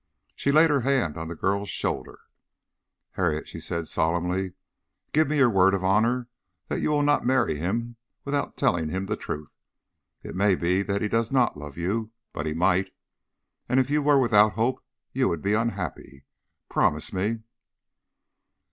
She laid her hand on the girl's shoulder. "Harriet," she said solemnly, "give me your word of honour that you will not marry him without telling him the truth. It may be that he does not love you, but he might and if you were without hope you would be unhappy. Promise me."